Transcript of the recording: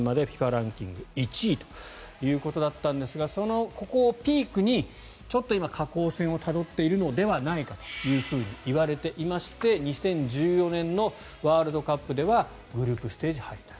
ランキング１位ということだったんですがここをピークに今、下降線をたどっているのではないかといわれていまして２０１４年のワールドカップではグループステージ敗退。